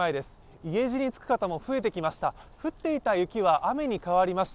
家路につく方も増えてきました。